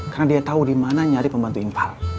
karena dia tahu di mana nyari pembantu infal